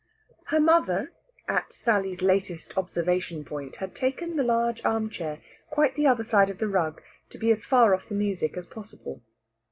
Her mother, at Sally's latest observation point, had taken the large armchair quite on the other side of the rug, to be as far off the music as possible.